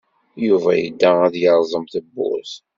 Yuba yedda ad yerẓem tawwurt.